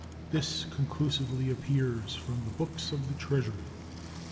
This conclusively appears from the books of the Treasury.